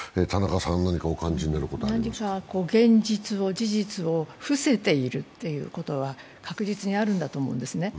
何か現実を、事実をふせているということは確実にあるんだと思うんですね。